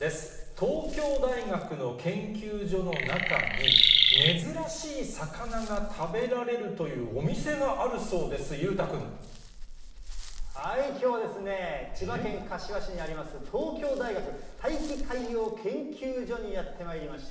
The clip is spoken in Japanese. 東京大学の研究所の中に、珍しい魚が食べられるというお店があるそうです、きょうは千葉県柏市にあります、東京大学大気海洋研究所にやって参りました。